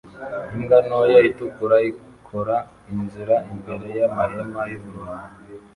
Imbwa ntoya itukura ikora inzira imbere yamahema yubururu